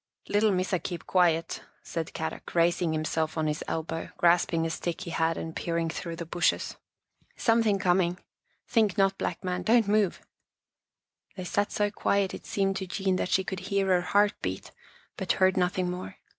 " Little Missa keep quiet," said Kadok, rais ing himself on his elbow, grasping a stick he had and peering through the bushes. " Some 1 Huts. 112 Our Little Australian Cousin thing coming. Think not black man. Don't move! " They sat so quiet it seemed to Jean that she could hear her heart beat, but heard nothing more.